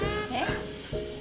えっ？